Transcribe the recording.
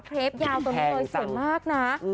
คริปยาวตัวนึงเลยสวยมากน้า